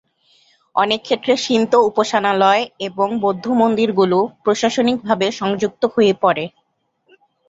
অনেক ক্ষেত্রে শিন্তো উপাসনালয় এবং বৌদ্ধ মন্দিরগুলি প্রশাসনিকভাবে সংযুক্ত হয়ে পড়ে।